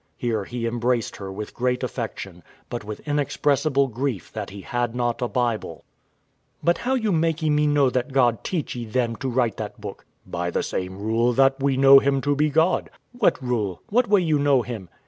[Here he embraced her with great affection, but with inexpressible grief that he had not a Bible.] Wife. But how you makee me know that God teachee them to write that book? W.A. By the same rule that we know Him to be God. Wife. What rule? What way you know Him?